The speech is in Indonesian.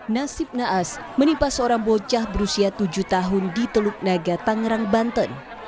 nasib naas menimpa seorang bocah berusia tujuh tahun di teluk naga tangerang banten